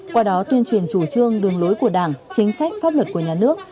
qua đó tuyên truyền chủ trương đường lối của đảng chính sách pháp luật của nhà nước